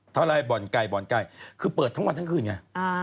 เท่าไรบ่อนไก่บ่อนไก่คือเปิดทั้งวันทั้งคืนไง